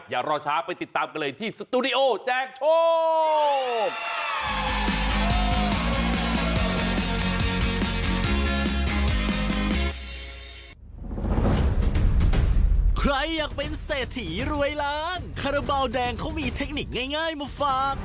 อย่ารอช้าไปติดตามกันเลยที่สตูดิโอแจกโชค